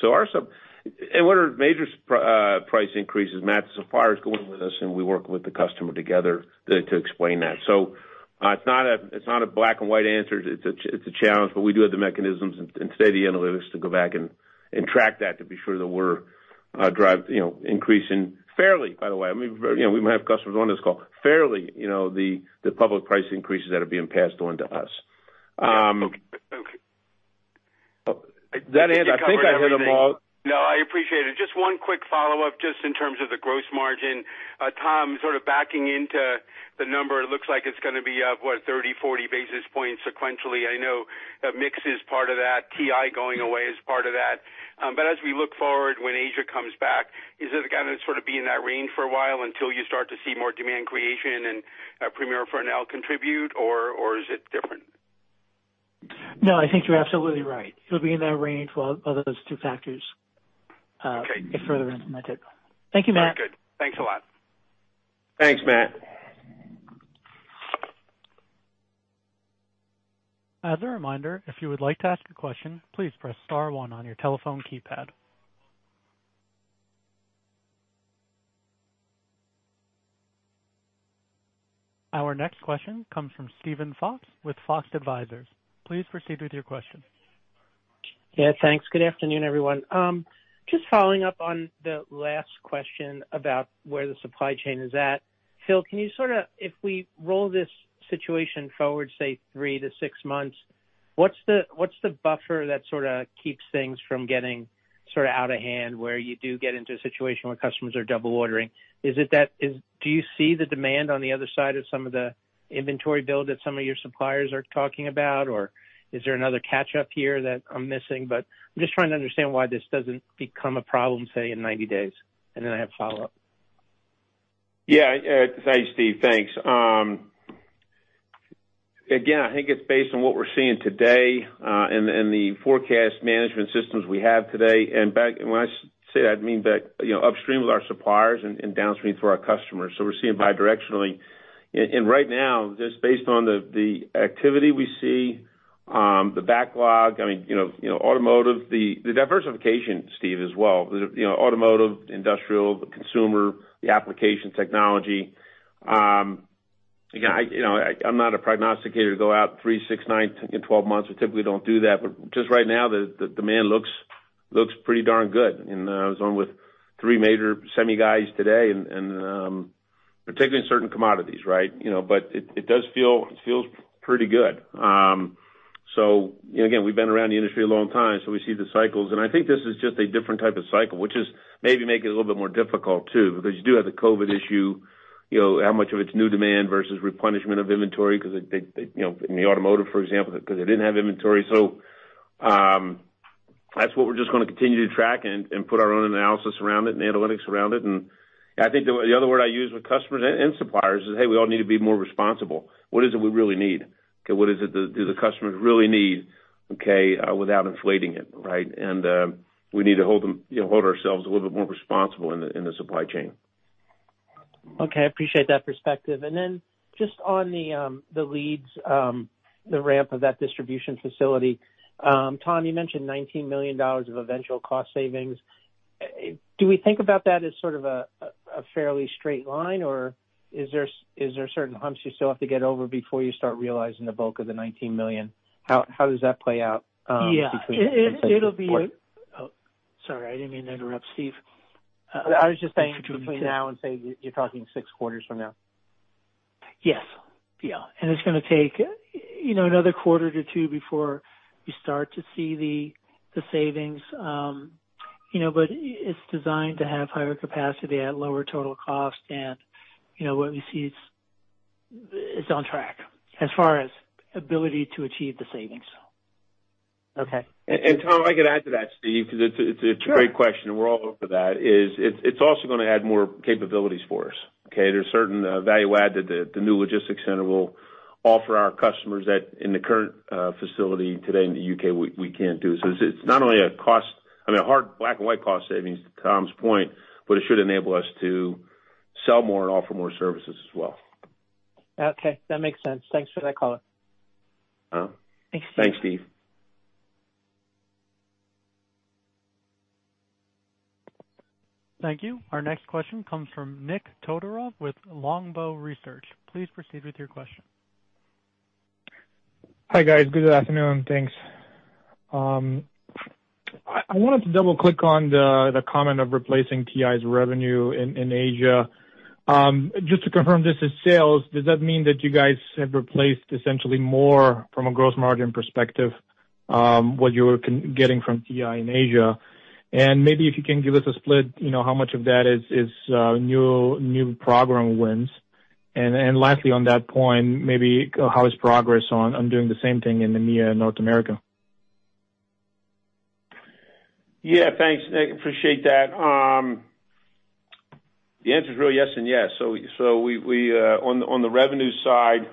What are major price increases, Matt? Suppliers go in with us, and we work with the customer together to explain that. It's not a black and white answer. It's a challenge. We do have the mechanisms and, today, the analytics to go back and track that to be sure that we're increasing fairly, by the way. We might have customers on this call. Fairly, the public price increases that are being passed on to us. Yeah. Okay. That end, I think I hit them all. No, I appreciate it. Just one quick follow-up, just in terms of the gross margin. Tom, sort of backing into the number, it looks like it's going to be up, what? 30, 40 basis points sequentially. I know mix is part of that. TI going away is part of that. As we look forward, when Asia comes back, is it going to sort of be in that range for a while until you start to see more demand creation and Premier Farnell contribute, or is it different? No, I think you're absolutely right. It'll be in that range while those two factors. Okay. Get further implemented. Thank you, Matt. Very good. Thanks a lot. Thanks, Matt. As a reminder, if you would like to ask a question, please press star one on your telephone keypad. Our next question comes from Steven Fox with Fox Advisors. Please proceed with your question. Yeah, thanks. Good afternoon, everyone. Just following up on the last question about where the supply chain is at. Phil, if we roll this situation forward, say, three to six months, what's the buffer that sort of keeps things from getting out of hand, where you do get into a situation where customers are double ordering? Do you see the demand on the other side of some of the inventory build that some of your suppliers are talking about? Is there another catch-up here that I'm missing? I'm just trying to understand why this doesn't become a problem, say, in 90 days. I have follow-up. Yeah. Thanks, Steve. Thanks. I think it's based on what we're seeing today and the forecast management systems we have today. When I say that, I mean upstream with our suppliers and downstream through our customers. We're seeing bidirectionally. Right now, just based on the activity we see, the backlog, the diversification, Steve, as well, automotive, industrial, the consumer, the application technology. I'm not a prognosticator to go out three, six, nine, 12 months. We typically don't do that. Just right now, the demand looks pretty darn good. I was on with three major semi guys today, and particularly in certain commodities, right? It does feel pretty good. Again, we've been around the industry a long time, so we see the cycles, and I think this is just a different type of cycle, which maybe make it a little bit more difficult, too, because you do have the COVID issue, how much of it's new demand versus replenishment of inventory, because in the automotive, for example, because they didn't have inventory. That's what we're just going to continue to track and put our own analysis around it and analytics around it. I think the other word I use with customers and suppliers is, hey, we all need to be more responsible. What is it we really need? Okay, what is it that the customers really need, okay, without inflating it, right? We need to hold ourselves a little bit more responsible in the supply chain. Okay, I appreciate that perspective. Just on the leads, the ramp of that distribution facility. Tom, you mentioned $19 million of eventual cost savings. Do we think about that as sort of a fairly straight line, or is there certain humps you still have to get over before you start realizing the bulk of the $19 million? How does that play out between— Yeah It'll be—oh, sorry, I didn't mean to interrupt, Steven. I was just saying between now and, say, you're talking six quarters from now. Yes. Yeah. It's going to take another quarter to two before you start to see the savings. It's designed to have higher capacity at lower total cost. What we see is on track as far as ability to achieve the savings. Okay. Tom, if I could add to that, Steve, because it's a great question, and we're all over that, it's also going to add more capabilities for us. Okay. There's certain value add that the new logistics center will offer our customers that in the current facility today in the U.K., we can't do. It's not only a cost, I mean, a hard black and white cost savings to Tom's point, but it should enable us to sell more and offer more services as well. Okay, that makes sense. Thanks for that color. Thanks, Steve. Thanks, Steve. Thank you. Our next question comes from Nick Todorov with Longbow Research. Please proceed with your question. Hi, guys. Good afternoon. Thanks. I wanted to double-click on the comment of replacing TI's revenue in Asia. Just to confirm this is sales, does that mean that you guys have replaced essentially more from a gross margin perspective, what you were getting from TI in Asia? Maybe if you can give us a split, how much of that is new program wins. Lastly on that point, maybe how is progress on doing the same thing in EMEA and North America? Yeah, thanks, Nick. Appreciate that. The answer is really yes and yes. On the revenue side,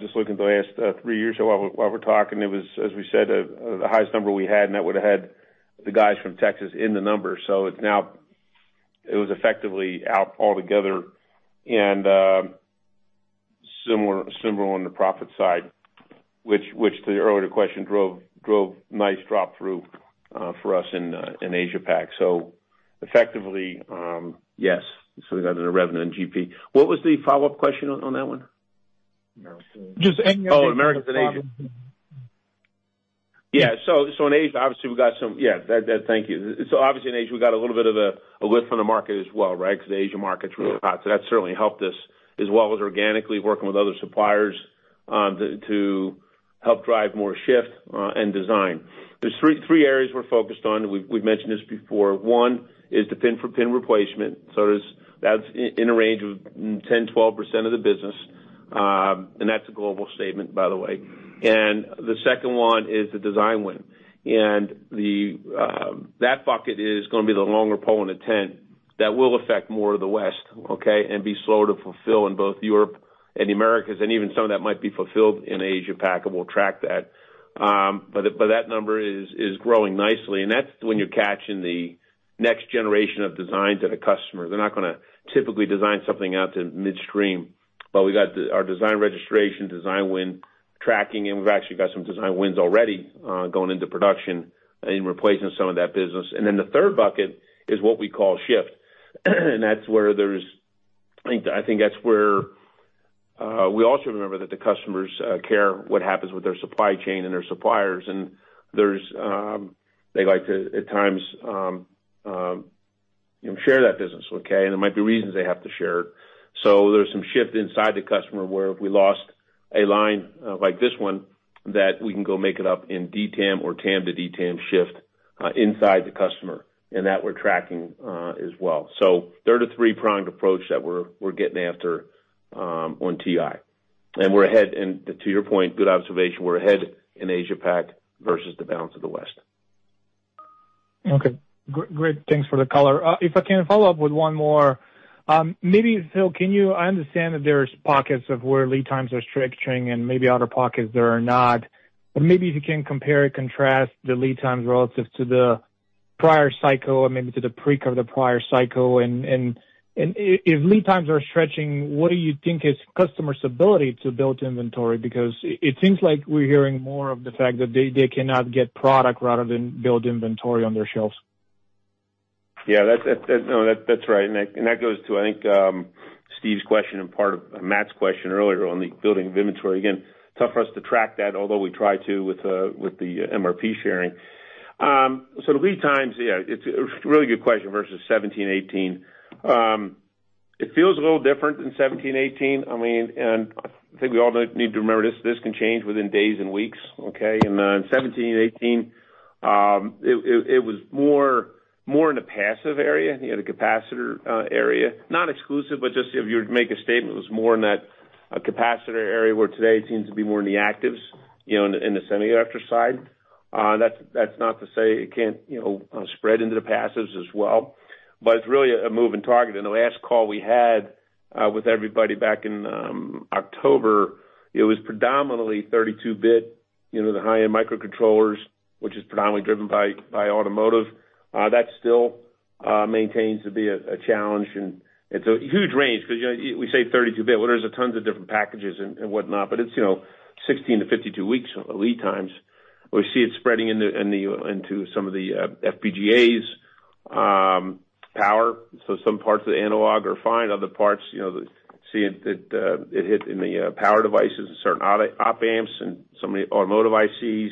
just looking at the last three years while we're talking, it was, as we said, the highest number we had, and that would've had the guys from Texas in the numbers. It was effectively out altogether and similar on the profit side, which to the earlier question, drove nice drop through for us in Asia Pac. Effectively, yes. We got into revenue and GP. What was the follow-up question on that one? Just any update on the— Oh, Americas and Asia. Yeah. Thank you. Obviously in Asia, we got a little bit of a lift from the market as well, right? The Asia market's really hot, that certainly helped us as well as organically working with other suppliers to help drive more shift and design. There's three areas we're focused on. We've mentioned this before. One is the pin for pin replacement. That's in a range of 10%, 12% of the business. That's a global statement, by the way. The second one is the design win. That bucket is going to be the longer pole in a tent that will affect more of the West, okay? Be slow to fulfill in both Europe and the Americas, even some of that might be fulfilled in Asia Pac, and we'll track that. That number is growing nicely, and that's when you're catching the next generation of designs at a customer. They're not going to typically design something out to midstream. We got our design registration, design win tracking, and we've actually got some design wins already going into production and replacing some of that business. The third bucket is what we call shift. I think that's where we also remember that the customers care what happens with their supply chain and their suppliers, and they like to, at times, share that business, okay? There might be reasons they have to share it. There's some shift inside the customer where if we lost a line like this one, that we can go make it up in DTAM or TAM to DTAM shift inside the customer and that we're tracking as well. There are the three-pronged approach that we're getting after on TI. To your point, good observation, we're ahead in Asia Pac versus the balance of the West. Okay. Great. Thanks for the color. If I can follow up with one more. I understand that there's pockets of where lead times are stretching and maybe other pockets that are not. Maybe if you can compare and contrast the lead times relative to the prior cycle or maybe to the pre-COVID prior cycle. If lead times are stretching, what do you think is customers' ability to build inventory? Because it seems like we're hearing more of the fact that they cannot get product rather than build inventory on their shelves. Yeah. That's right. That goes to, I think, Steven's question and part of Matt's question earlier on the building of inventory. Again, tough for us to track that, although we try to with the MRP sharing. The lead times, yeah, it's a really good question versus 2017-2018. It feels a little different than 2017-2018. I think we all need to remember this can change within days and weeks, okay? Then 2017-2018, it was more in the passive area, the capacitor area. Not exclusive, but just if you were to make a statement, it was more in that capacitor area where today it seems to be more in the actives, in the semiconductor side. That's not to say it can't spread into the passives as well, but it's really a moving target. In the last call we had with everybody back in October, it was predominantly 32-bit, the high-end microcontrollers, which is predominantly driven by automotive. That still maintains to be a challenge, and it's a huge range because we say 32-bit, well, there's tons of different packages and whatnot, but it's 16-52 weeks of lead times. We see it spreading into some of the FPGAs. Power, so some parts of the analog are fine. Other parts, seeing that it hit in the power devices and certain op-amps and some of the automotive ICs.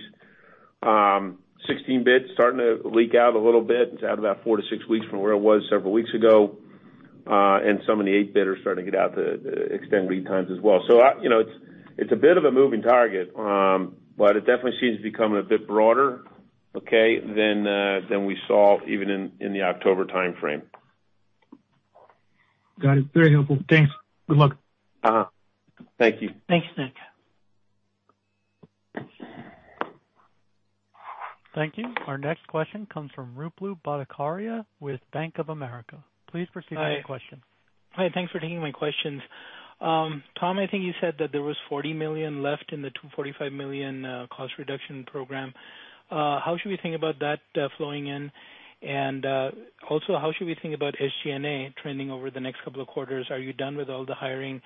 16-bit's starting to leak out a little bit. It's out about four to six weeks from where it was several weeks ago. Some of the 8-bit are starting to get out the extended lead times as well. It's a bit of a moving target, but it definitely seems to become a bit broader, okay, than we saw even in the October timeframe. Got it. Very helpful. Thanks. Good luck. Thank you. Thanks, Nick. Thank you. Our next question comes from Ruplu Bhattacharya with Bank of America. Please proceed with your question. Hi, thanks for taking my questions. Tom, I think you said that there was $40 million left in the $245 million cost reduction program. How should we think about that flowing in? How should we think about SG&A trending over the next couple of quarters? Are you done with all the hiring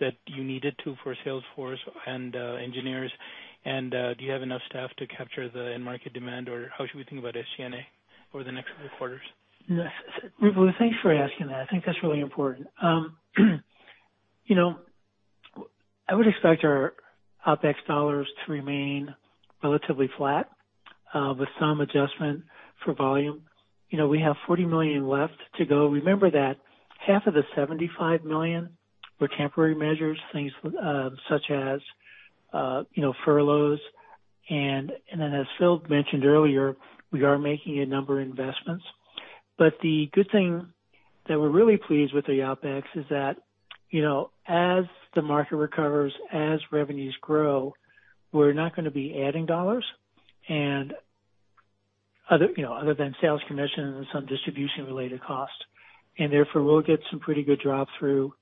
that you needed to for sales force and engineers? Do you have enough staff to capture the end market demand? How should we think about SG&A over the next couple quarters? Ruplu, thanks for asking that. I think that's really important. I would expect our OpEx dollars to remain relatively flat, with some adjustment for volume. We have $40 million left to go. Remember that half of the $75 million were temporary measures, things such as furloughs, as Phil mentioned earlier, we are making a number of investments. The good thing that we're really pleased with the OpEx is that as the market recovers, as revenues grow, we're not going to be adding dollars, other than sales commissions and some distribution-related costs. We'll get some pretty good drop-through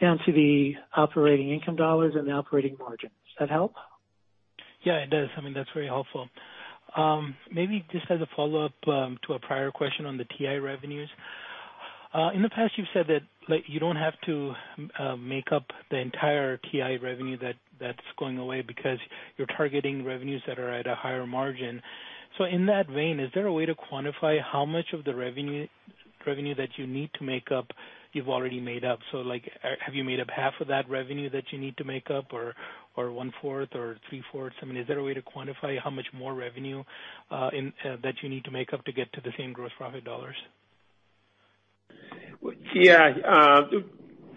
down to the operating income dollars and the operating margins. Does that help? Yeah, it does. That's very helpful. Maybe just as a follow-up to a prior question on the TI revenues. In the past, you've said that you don't have to make up the entire TI revenue that's going away because you're targeting revenues that are at a higher margin. In that vein, is there a way to quantify how much of the revenue that you need to make up, you've already made up? Have you made up 1/2 of that revenue that you need to make up, or 1/4 or 3/4? Is there a way to quantify how much more revenue that you need to make up to get to the same gross profit dollars? Yeah.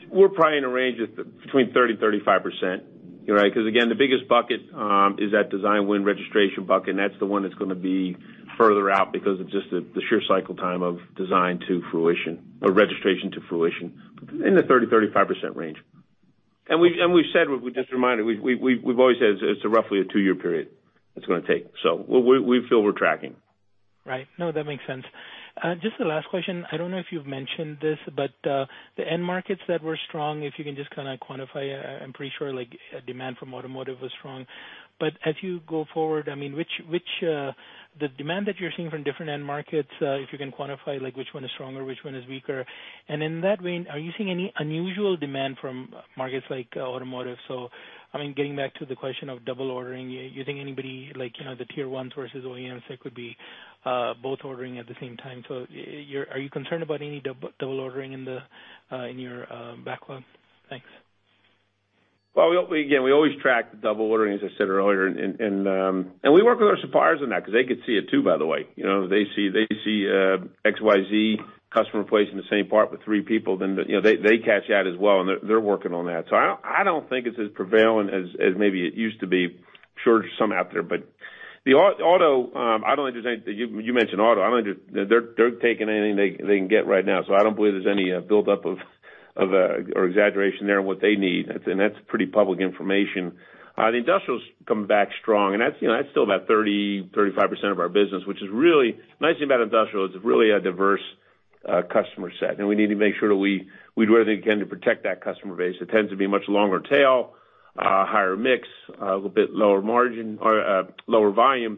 We're probably in a range between 30% and 35%. Because again, the biggest bucket is that design win registration bucket, and that's the one that's going to be further out because of just the sheer cycle time of design to fruition or registration to fruition. In the 30%-35% range. We've said, just a reminder, we've always said it's roughly a two-year period it's going to take. We feel we're tracking. Right. No, that makes sense. Just the last question. I don't know if you've mentioned this, the end markets that were strong, if you can just kind of quantify. I'm pretty sure demand from automotive was strong. As you go forward, the demand that you're seeing from different end markets, if you can quantify which one is stronger, which one is weaker. In that vein, are you seeing any unusual demand from markets like automotive? Getting back to the question of double ordering, using anybody like the Tier 1s versus OEMs that could be both ordering at the same time. Are you concerned about any double ordering in your backlog? Thanks. Well, again, we always track double ordering, as I said earlier. We work with our suppliers on that because they could see it too, by the way. They see XYZ customer placing the same part with three people, then they catch that as well, and they're working on that. I don't think it's as prevalent as maybe it used to be. I'm sure there's some out there. You mentioned auto. They're taking anything they can get right now. I don't believe there's any buildup or exaggeration there on what they need. That's pretty public information. The Industrial's come back strong, and that's still about 30%, 35% of our business. The nice thing about Industrial is it's really a diverse customer set, and we need to make sure that we do everything we can to protect that customer base. It tends to be a much longer tail, higher mix, a little bit lower volume,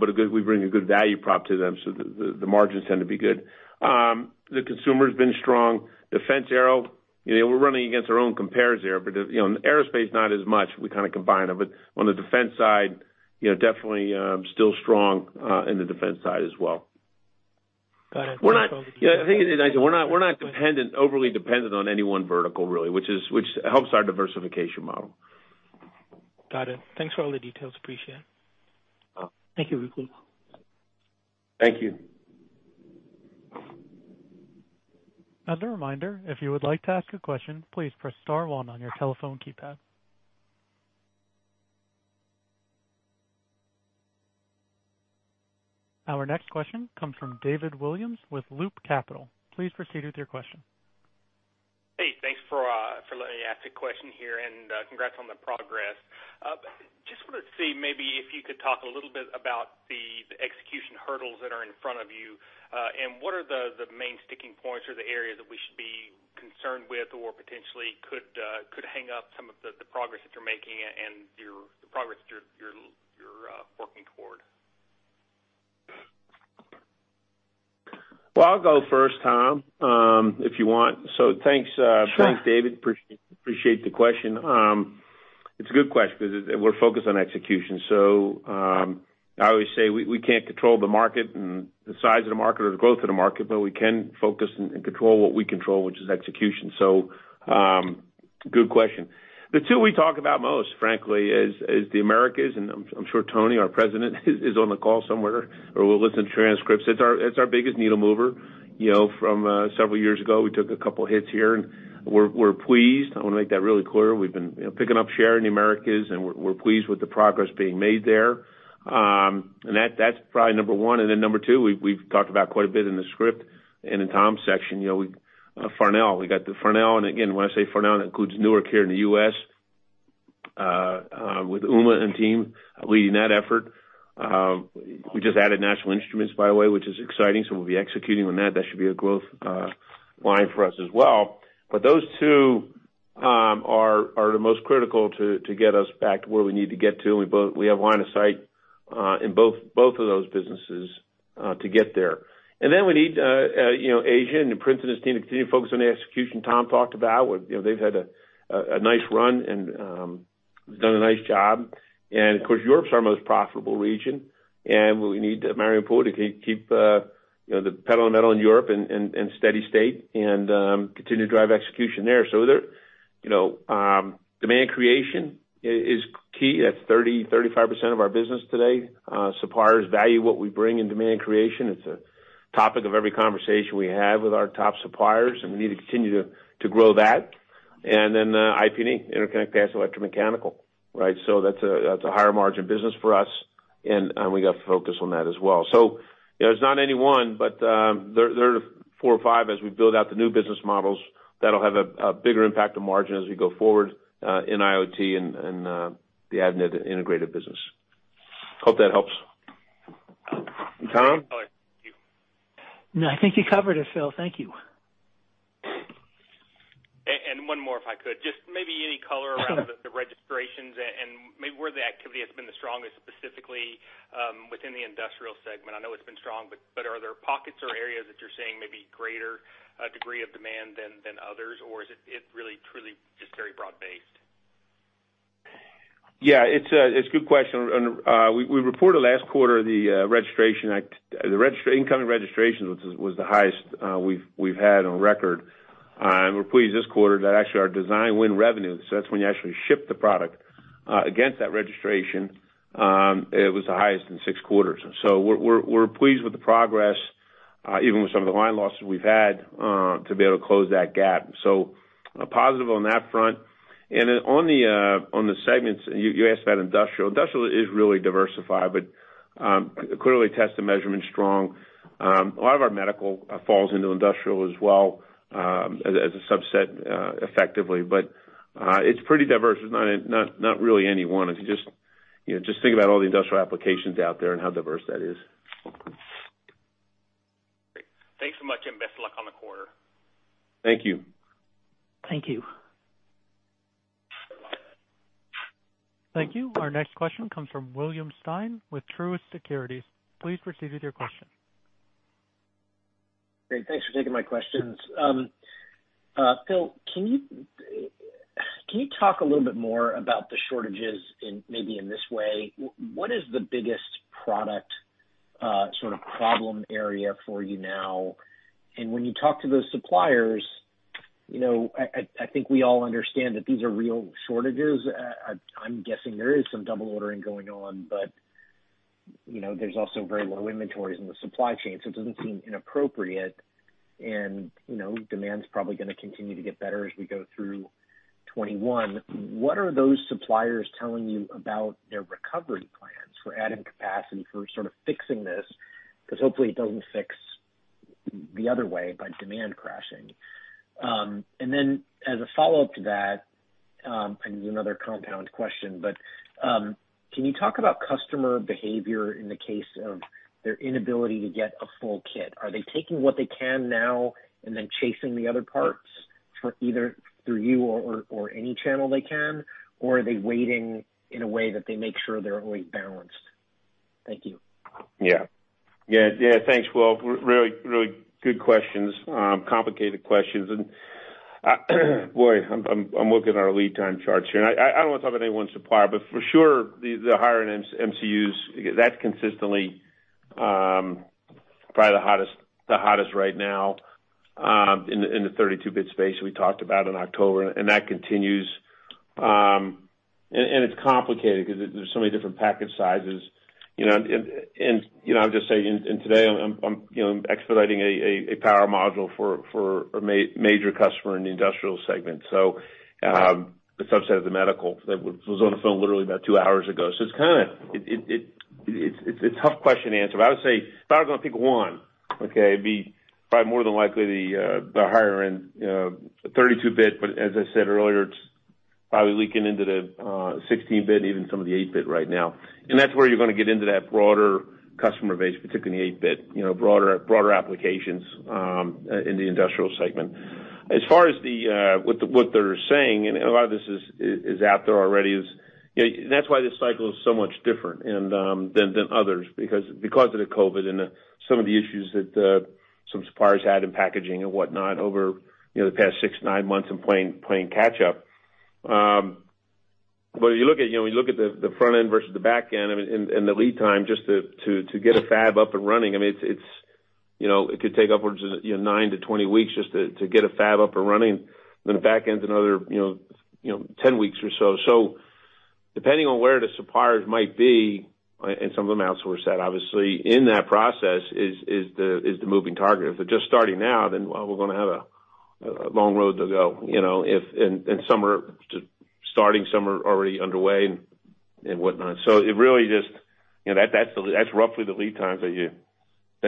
but we bring a good value prop to them, so the margins tend to be good. The consumer's been strong. Defense aero. We're running against our own compares there, but in aerospace, not as much. We kind of combine them. On the defense side, definitely still strong in the defense side as well. Got it. Thanks for all the details. Yeah, I think we're not overly dependent on any one vertical, really, which helps our diversification model. Got it. Thanks for all the details. Appreciate it. Thank you, Ruplu. Thank you. Another reminder, if you would like to ask a question, please press star one on your telephone keypad. Our next question comes from David Williams with Loop Capital. Please proceed with your question. Hey, thanks for letting me ask a question here. Congrats on the progress. Just wanted to see, maybe if you could talk a little bit about the execution hurdles that are in front of you. What are the main sticking points or the areas that we should be concerned with or potentially could hang up some of the progress that you're making and the progress that you're working toward? Well, I'll go first, Tom, if you want. Sure. Thanks, David. Appreciate the question. It's a good question, because we're focused on execution. I always say we can't control the market and the size of the market or the growth of the market, but we can focus and control what we control, which is execution. Good question. The two we talk about most, frankly, is the Americas, and I'm sure Tony, our president, is on the call somewhere, or will listen to transcripts. It's our biggest needle mover. From several years ago, we took a couple hits here, and we're pleased. I want to make that really clear. We've been picking up share in the Americas, and we're pleased with the progress being made there. That's probably number one. Number two, we've talked about quite a bit in the script and in Tom's section, Farnell. We got the Farnell. Again, when I say Farnell, that includes Newark here in the U.S., with Uma and team leading that effort. We just added National Instruments, by the way, which is exciting, so we'll be executing on that. That should be a growth line for us as well. Those two are the most critical to get us back to where we need to get to, and we have line of sight in both of those businesses to get there. Then we need Asia and the Prince's team to continue to focus on the execution Tom talked about. They've had a nice run and have done a nice job. Of course, Europe's our most profitable region, and we need [Mario Orlandi] to keep the pedal to the metal in Europe in steady state and continue to drive execution there. Demand creation is key. That's 35% of our business today. Suppliers value what we bring in demand creation. It's a topic of every conversation we have with our top suppliers, and we need to continue to grow that. Then IP&E, interconnect, power, and electromechanical, right? That's a higher margin business for us, and we got to focus on that as well. It's not any one, but there are the four or five as we build out the new business models that'll have a bigger impact on margin as we go forward in IoT and the Avnet Integrated business. Hope that helps. Tom? No, I think you covered it, Phil. Thank you. One more, if I could. Just maybe any color around the registrations and maybe where the activity has been the strongest specifically, within the Industrial segment. Are there pockets or areas that you're seeing maybe greater degree of demand than others, or is it really truly just very broad-based? Yeah, it's a good question. We reported last quarter the incoming registration was the highest we've had on record. We're pleased this quarter that actually our design win revenue, so that's when you actually ship the product against that registration, it was the highest in six quarters. We're pleased with the progress, even with some of the line losses we've had, to be able to close that gap, a positive on that front. On the segments, you asked about Industrial. Industrial's really diversified, but clearly test and measurement's strong. A lot of our Medical falls into Industrial as well, as a subset, effectively. It's pretty diverse. It's not really any one, if you just think about all the industrial applications out there and how diverse that is. Great. Thanks so much, and best of luck on the quarter. Thank you. Thank you. Thank you. Our next question comes from William Stein with Truist Securities. Please proceed with your question. Great. Thanks for taking my questions. Phil, can you talk a little bit more about the shortages maybe in this way? What is the biggest product sort of problem area for you now? When you talk to those suppliers, I think we all understand that these are real shortages. I'm guessing there is some double ordering going on, but there's also very low inventories in the supply chain, so it doesn't seem inappropriate. Demand's probably going to continue to get better as we go through 2021. What are those suppliers telling you about their recovery plans for adding capacity for sort of fixing this? Hopefully it doesn't fix the other way by demand crashing. As a follow-up to that, and this is another compound question, but can you talk about customer behavior in the case of their inability to get a full kit? Are they taking what they can now and then chasing the other parts through either through you or any channel they can? Or are they waiting in a way that they make sure they're always balanced? Thank you. Yeah. Thanks, Will. Really good questions. Complicated questions. Boy, I'm looking at our lead time charts here, and I don't want to talk about any one supplier, but for sure, the higher-end MCUs, that's consistently probably the hottest right now in the 32-bit space we talked about in October, and that continues. It's complicated because there's so many different package sizes. I'll just say, and today I'm expediting a power module for a major customer in the Industrial segment, so a subset of the medical. Was on the phone literally about two hours ago. It's a tough question to answer, but I would say if I was going to pick one, okay, it'd be probably more than likely the higher-end 32-bit, but as I said earlier, it's probably leaking into the 16-bit and even some of the 8-bit right now. That's where you're going to get into that broader customer base, particularly in the 8-bit, broader applications in the Industrial segment. A lot of this is out there already is. That's why this cycle is so much different than others because of the COVID and some of the issues that some suppliers had in packaging and whatnot over the past six, nine months and playing catch up. When you look at the front end versus the back end and the lead time just to get a fab up and running, it could take upwards of 9-20 weeks just to get a fab up and running. The back end's another 10 weeks or so. Depending on where the suppliers might be, and some of them outsource that obviously, in that process is the moving target. If they're just starting now, then we're going to have a long road to go, and some are just starting, some are already underway and whatnot. That's roughly the lead times that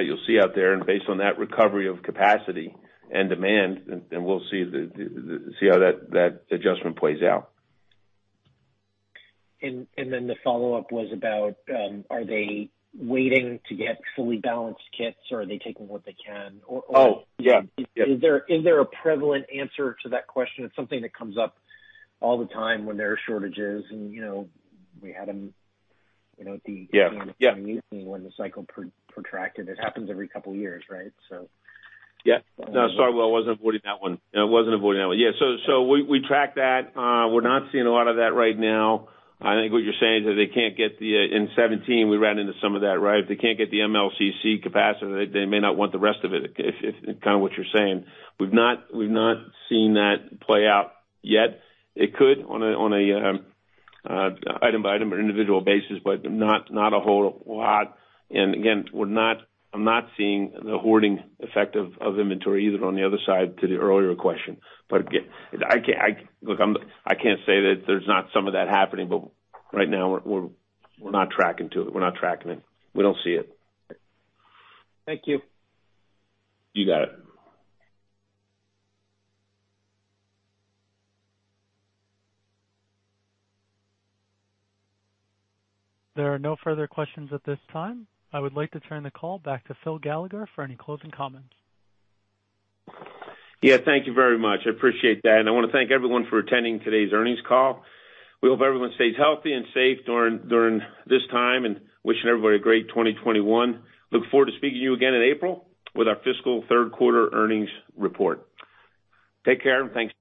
you'll see out there, and based on that recovery of capacity and demand, then we'll see how that adjustment plays out. The follow-up was about, are they waiting to get fully balanced kits, or are they taking what they can? Oh, yeah. Is there a prevalent answer to that question? It's something that comes up all the time when there are shortages, and we had them— Yeah —when the cycle protracted. It happens every couple of years, right? Yeah. No, sorry, I wasn't avoiding that one. We track that. We're not seeing a lot of that right now. I think what you're saying is that they can't get In 2017, we ran into some of that, right? If they can't get the MLCC capacitor, they may not want the rest of it, is kind of what you're saying. We've not seen that play out yet. It could on a item-by-item or individual basis, but not a whole lot. Again, I'm not seeing the hoarding effect of inventory either on the other side to the earlier question. Look, I can't say that there's not some of that happening, but right now we're not tracking to it. We're not tracking it. We don't see it. Thank you. You got it. There are no further questions at this time. I would like to turn the call back to Phil Gallagher for any closing comments. Yeah. Thank you very much. I appreciate that. I want to thank everyone for attending today's earnings call. We hope everyone stays healthy and safe during this time, and wishing everybody a great 2021. Look forward to speaking to you again in April with our fiscal third quarter earnings report. Take care, and thanks.